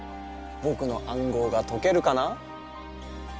僕の暗号が解けるかな？